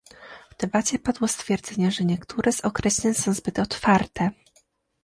W debacie padło stwierdzenie, że niektóre z określeń są zbyt otwarte